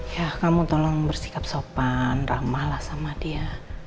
ya kamu tolong bersikap sopan ramahlah sama dia